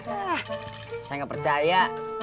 ah saya gak percaya